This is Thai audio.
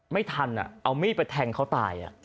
ไม่ทันเอามีดไปแทงเขาตาย